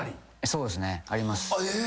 そうですねあります。